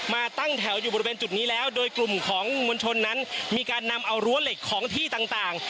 มาตั้งแถวอยู่บริเวณจุดนี้แล้วโดยกลุ่มของมวลชนนั้นมีการนำเอารั้วเหล็กของที่ต่าง